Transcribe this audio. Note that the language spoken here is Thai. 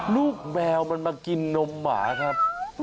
แมวมันมากินนมหมาครับ